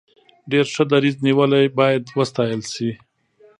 ډیر ښه دریځ نیولی باید وستایل شي.